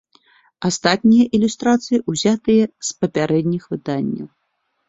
Астатнія ілюстрацыі ўзятыя з папярэдніх выданняў.